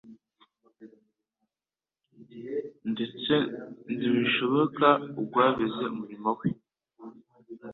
ndetse nibishoboka agwabize umurimo We.